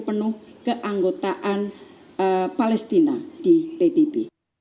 penuh keanggotaan palestina di pbb